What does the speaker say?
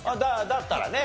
だったらね。